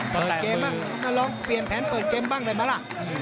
เปิดเกมบ้างลองเปลี่ยนแผนเปิดเกมบ้างได้ไหมล่ะ